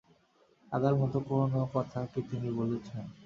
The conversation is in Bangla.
কাঁদার মতো কোনো কথা কি তিনি বলেছেন?